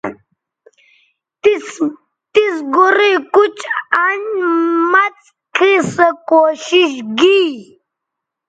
تِس گورئ، کُچ، انڈ آ مڅ کھئ سو کوشش گی